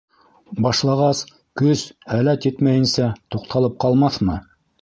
Башлағас, көс, һәләт етмәйенсә, туҡталып ҡалмаҫмы?